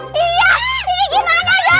cepat kamu jalan